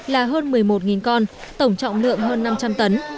là hơn một mươi một con tổng trọng lượng hơn năm trăm linh tấn